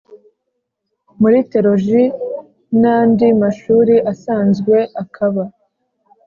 muri Thelogy nandi mashuri asanzwe akaba